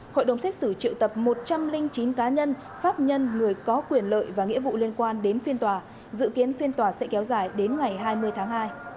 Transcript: hội đồng xét xử triệu tập một trăm linh chín cá nhân pháp nhân người có quyền lợi và nghĩa vụ liên quan đến phiên tòa dự kiến phiên tòa sẽ kéo dài đến ngày hai mươi tháng hai